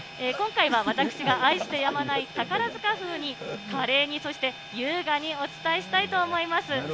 今回は私が愛してやまない宝塚風に、華麗に、そして優雅にお伝えしたいと思います。